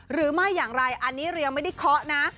หรือไม่อย่างไรอันนี้เรายังไม่ได้เคาะนะ